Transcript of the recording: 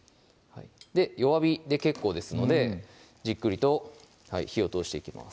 弱火で結構ですのでじっくりと火を通していきます